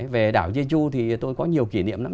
về đảo jeju thì tôi có nhiều kỷ niệm lắm